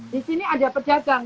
di sini ada pedagang